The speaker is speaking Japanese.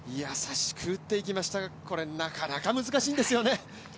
やさしく打っていきましたがこれ、なかなか難しいんですよね。